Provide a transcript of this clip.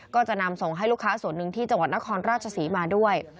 ก็จะนำส่งให้ลูกค้าส่วนหนึ่งที่จังหวัดนครราชศรีมาด้วย